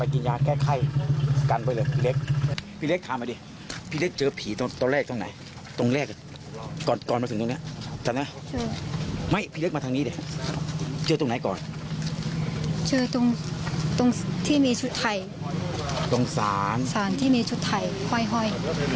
ตรงที่มีชุดไทยตรงศาลที่มีชุดไทยห้อย